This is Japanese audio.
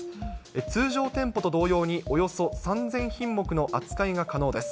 通常店舗と同様に、およそ３０００品目の扱いが可能です。